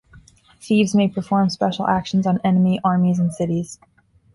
Thieves may perform special actions on enemy armies and cities.